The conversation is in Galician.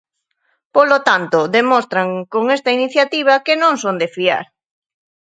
Polo tanto, demostran con esta iniciativa que non son de fiar.